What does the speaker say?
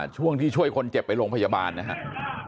ช่วงที่ช่วยคนเจ็บไปโรงพยาบาลนะครับ